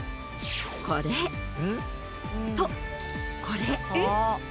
［これとこれ］